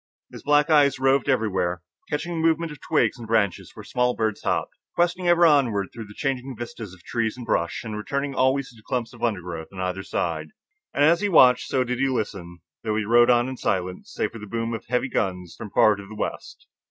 His black eyes roved everywhere, catching the movements of twigs and branches where small birds hopped, questing ever onward through the changing vistas of trees and brush, and returning always to the clumps of undergrowth on either side. And as he watched, so did he listen, though he rode on in silence, save for the boom of heavy guns from far to the west.